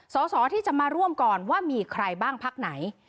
สอสอที่จะมาร่วมก่อนว่ามีใครบ้างพักไหน